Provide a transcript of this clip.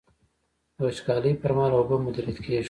د وچکالۍ پر مهال اوبه مدیریت کیږي.